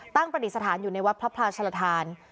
ประดิษฐานอยู่ในวัดพระพลาชลทาน